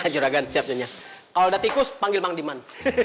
jura gan siap nyonya kalau ada tikus panggil bang diman